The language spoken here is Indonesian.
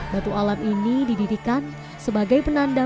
batu alam ini didirikan sebagai penanda